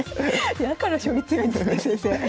だから将棋強いんですね先生。